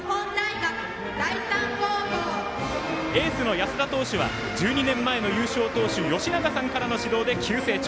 エースの安田投手は１２年前の優勝投手吉永さんからの指導で急成長。